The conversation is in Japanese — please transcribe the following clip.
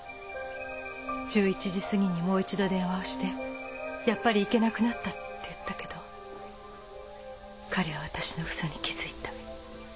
１１時過ぎにもう一度電話をして「やっぱり行けなくなった」って言ったけど彼は私の嘘に気づいた。